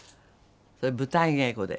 それ舞台稽古で。